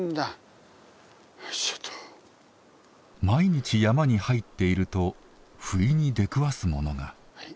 毎日山に入っていると不意に出くわすものが。